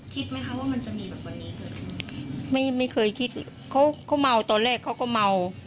คิดไหมคะว่ามันจะมีแบบวันนี้ค่ะไม่ไม่เคยคิดเขาเขาเมาตอนแรกเขาก็เมา